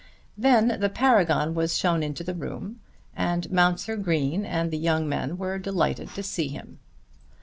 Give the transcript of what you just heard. Then the Paragon was shown into the room and Mounser Green and the young men were delighted to see him.